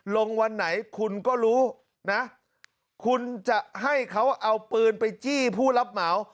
วันไหนคุณก็รู้นะคุณจะให้เขาเอาปืนไปจี้ผู้รับเหมา